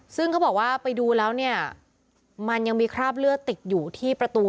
ซึ่งเขาบอกว่าไปดูแล้วเนี่ยมันยังมีคราบเลือดติดอยู่ที่ประตู